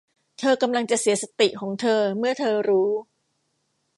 เธอกำลังจะเสียสติของเธอเมื่อเธอรู้